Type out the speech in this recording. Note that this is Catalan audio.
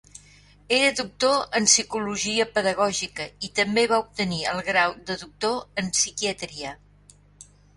Era doctor en psicologia pedagògica i també va obtenir el grau de doctor en psiquiatria.